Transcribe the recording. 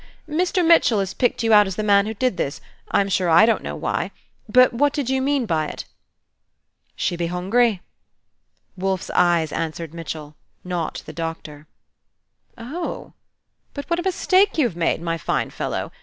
"Mr. Mitchell has picked you out as the man who did this, I'm sure I don't know why. But what did you mean by it?" "She be hungry." Wolfe's eyes answered Mitchell, not the Doctor. "Oh h! But what a mistake you have made, my fine fellow!